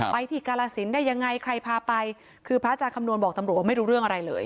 ไปที่กาลสินได้ยังไงใครพาไปคือพระอาจารย์คำนวณบอกตำรวจว่าไม่รู้เรื่องอะไรเลย